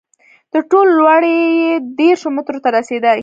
تر ټولو لوړې یې دېرشو مترو ته رسېدې.